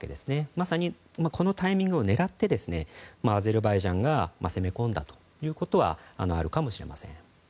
まさにこのタイミングを狙ってアゼルバイジャンが攻め込んだということはあるかもしれません。